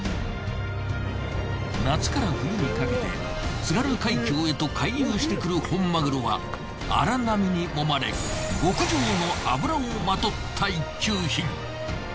夏から冬にかけて津軽海峡へと回遊してくる本マグロは荒波にもまれ極上の脂をまとった一級品。